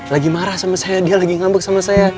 lagi marah sama saya dia lagi ngambuk sama saya